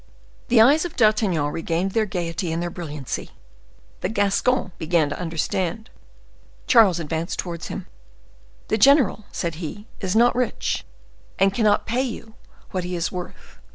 The eyes of D'Artagnan regained their gayety and their brilliancy. The Gascon began to understand. Charles advanced towards him. "The general," said he, "is not rich, and cannot pay you what he is worth.